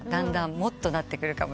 もっとなってくるかも。